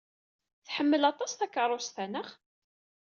Tḥemmel aṭas takeṛṛust-a, naɣ?